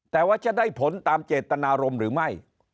แต่ว่าจะได้ผลตามเจตนารมณ์หรือไม่